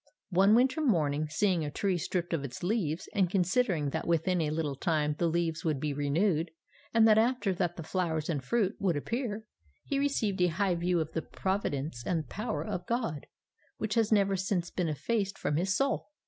One winter morning, seeing a tree stripped of its leaves, and considering that within a little time the leaves would be renewed, and that after that the flowers and fruit would appear, he received a high view of the providence and power of God, which has never since been effaced from his soul.'